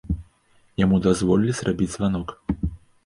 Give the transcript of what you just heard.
Яму дазволілі зрабіць званок.